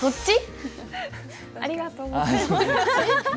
フフッありがとうございます。